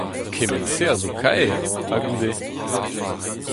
Kement-se a zo kaer ! Ha goude ?